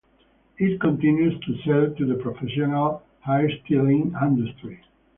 It continues to sell to the professional hairstyling industry.